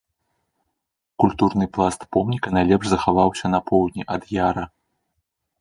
Культурны пласт помніка найлепш захаваўся на поўдні ад яра.